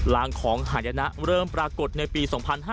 งของหายนะเริ่มปรากฏในปี๒๕๕๙